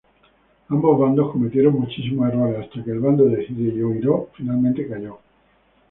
Ambos bandos cometieron muchísimos errores hasta que el bando de Hideyori finalmente cayó.